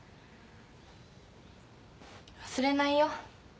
忘れないよ